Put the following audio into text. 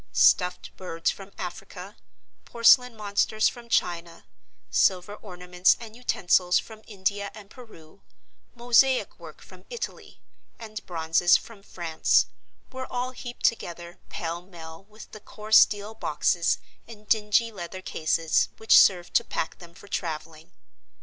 Stuffed birds from Africa, porcelain monsters from China, silver ornaments and utensils from India and Peru, mosaic work from Italy, and bronzes from France, were all heaped together pell mell with the coarse deal boxes and dingy leather cases which served to pack them for traveling.